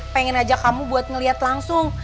pengen ajak kamu buat ngelihat langsung